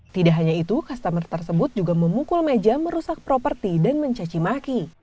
tidak hanya itu customer tersebut juga memukul meja merusak properti dan mencacimaki